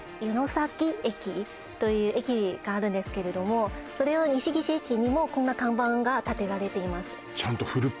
鷺駅という駅があるんですけれどもそれを西岸駅にもこんな看板が立てられています